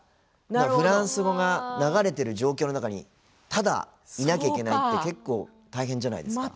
フランス語が流れてる状況の中にただ、いなきゃいけないって結構、大変じゃないですか。